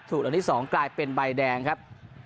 ถูกหลังที่สองกลายเป็นใบแดงครับ